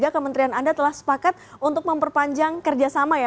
kementerian anda telah sepakat untuk memperpanjang kerjasama ya